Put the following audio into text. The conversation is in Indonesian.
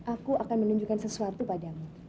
aku akan menunjukkan sesuatu padamu